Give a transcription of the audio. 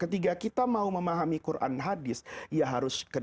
ketika kita mau memahami quran hadis ya harus